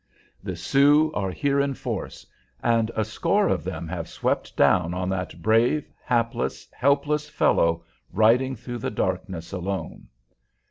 The Sioux are here in full force, and a score of them have swept down on that brave, hapless, helpless fellow riding through the darkness alone.